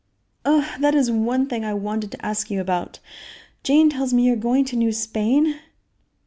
"Oh! that is one thing I wanted to ask you about. Jane tells me you are going to New Spain?"